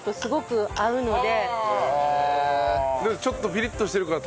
ちょっとピリッとしてるから。